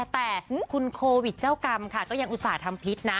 แต่คุณโควิดเจ้ากรรมค่ะก็ยังอุตส่าห์ทำพิษนะ